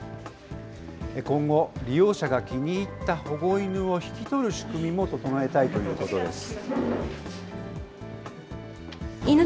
今後、利用者が気に入った保護犬を引き取る仕組みも整えたいということです。